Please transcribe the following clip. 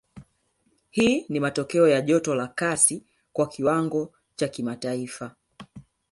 Hii ni matokeo ya joto la kasi kwa kiwango cha kimataifa